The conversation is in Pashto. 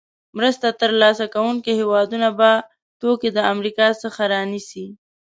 مرسته تر لاسه کوونکې هېوادونه به توکي له امریکا څخه رانیسي.